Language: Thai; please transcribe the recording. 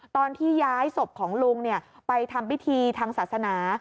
ตอนที่ย้ายศพของลุงไปทำพิธีทางศาสนา